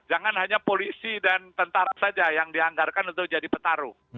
jangan hanya polisi dan tentara saja yang dianggarkan untuk jadi petarung